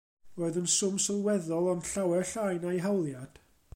Roedd yn swm sylweddol ond llawer llai na'i hawliad.